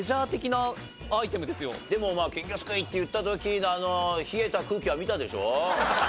でも金魚すくいって言った時のあの冷えた空気は見たでしょ？